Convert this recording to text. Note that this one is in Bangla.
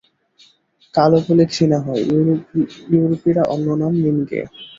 কালো বলে ঘৃণা হয়, ইউরোপীরা অন্য নাম নিনগে।